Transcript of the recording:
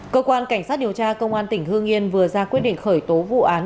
cơ quan cảnh sát điều tra công an tỉnh hương yên vừa ra quyết định khởi tố vụ án